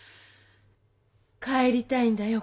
帰りたいんだよ